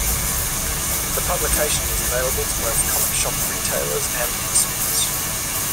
The publication is available to both comic shop retailers and consumers.